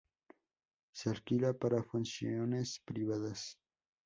Se alquila para funciones privadas.